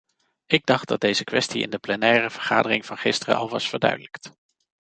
Ik dacht dat deze kwestie in de plenaire vergadering van gisteren al was verduidelijkt.